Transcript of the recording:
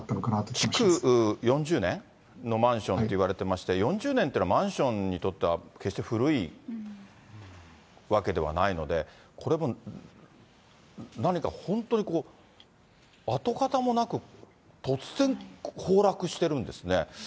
築４０年のマンションといわれてまして、４０年というのは、マンションにとっては決して古いわけではないので、これも何か本当に跡形もなく突然崩落してるんですね。